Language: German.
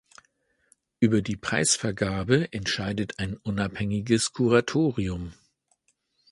Über die Preisvergabe entscheidet ein unabhängiges Kuratorium.